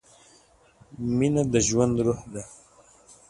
مینه د ژوند روح ده.